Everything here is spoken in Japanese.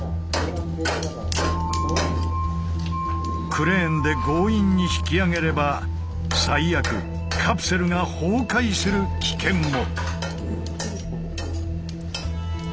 クレーンで強引に引き上げれば最悪カプセルが崩壊する危険も。